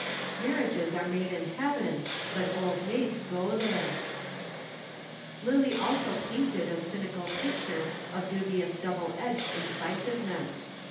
Marriages are made in heaven, but old maids go there. Lillie also painted a cynical picture of dubious double edged incisiveness.